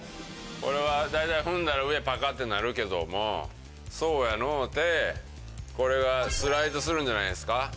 これはだいたい踏んだら上パカッてなるけどもそうやのうてこれはスライドするんじゃないんですか？